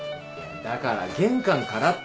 だから玄関からって。